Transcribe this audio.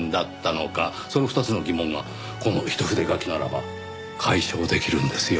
その２つの疑問がこの一筆書きならば解消できるんですよ。